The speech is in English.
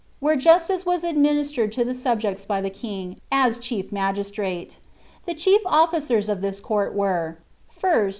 ; justice was administered to the subjects by the king, as rhu i The chief oflicers of this court were :— 1st.